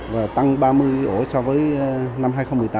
và tăng ba mươi ổ so với năm hai nghìn một mươi tám